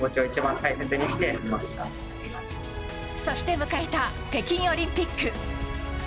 そして迎えた北京オリンピック。